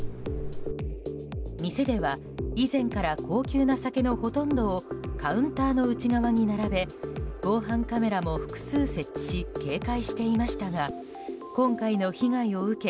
店では、以前から高級な酒のほとんどをカウンターの内側に並べ防犯カメラも複数設置し警戒していましたが今回の被害を受け